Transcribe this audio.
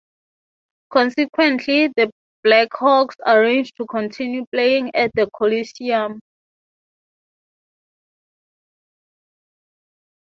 Consequently, the Blackhawks arranged to continue playing at the Coliseum.